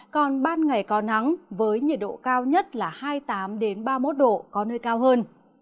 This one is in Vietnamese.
còn ban ngày có nắng với nhiệt độ cao nhất là hai mươi tám ba mươi một độ có nơi cao hơn